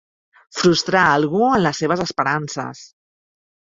Frustrar algú en les seves esperances.